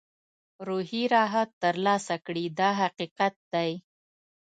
روحي راحت ترلاسه کړي دا حقیقت دی.